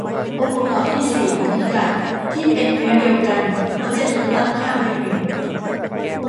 องค์ประกอบที่สี่ของพิกัดที่เป็นเนื้อเดียวกันมักจะถูกตั้งค่าเป็นหนึ่ง